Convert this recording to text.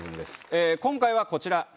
えー今回はこちら。